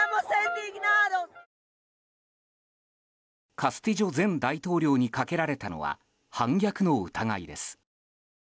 カスティジョ前大統領にかけられたのは反逆の疑いです。